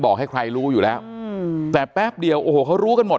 ให้ใครรู้อยู่แล้วอืมแต่แป๊บเดียวโอ้โหเขารู้กันหมด